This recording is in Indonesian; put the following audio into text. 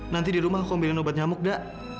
nanti di rumah aku ambilin obat nyamuk dak